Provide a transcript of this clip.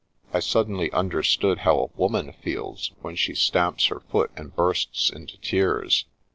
I suddenly understood how a woman feels when she stamps her foot and bursts into tears.